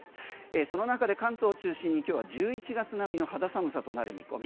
その中で関東を中心に今日は１１月並みの肌寒さとなる見込み。